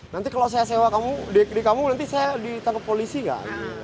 nanti kalau saya sewa di kamu nanti saya ditangkap polisi gak